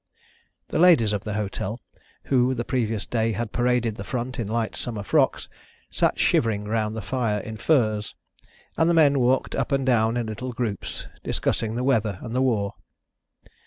The ladies of the hotel, who the previous day had paraded the front in light summer frocks, sat shivering round the fire in furs; and the men walked up and down in little groups discussing the weather and the war.